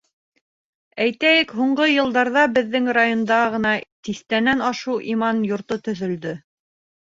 Әйтәйек, һуңғы йылдарҙа беҙҙең районда ғына тиҫтәнән ашыу иман йорто төҙөлдө.